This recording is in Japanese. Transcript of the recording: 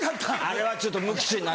あれはちょっと無口に。